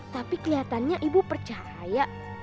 tapi kelihatannya ibu percaya